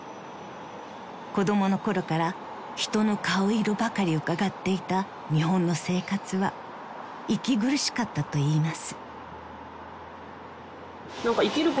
［子供のころから人の顔色ばかりうかがっていた日本の生活は息苦しかったといいます］